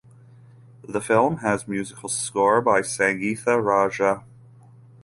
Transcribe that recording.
The film has musical score by Sangeetha Raja.